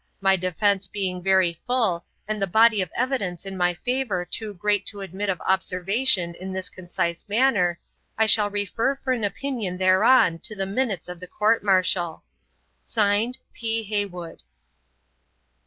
My defence being very full, and the body of evidence in my favour too great to admit of observation in this concise manner, I shall refer for an opinion thereon to the minutes of the court martial. (Signed) 'P. HEYWOOD.'